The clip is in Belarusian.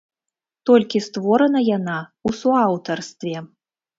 Толькі створана яна ў суаўтарстве.